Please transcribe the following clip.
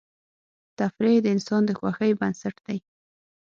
تفریح د انسان د خوښۍ بنسټ دی.